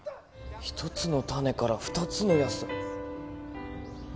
１つの種から２つの野菜。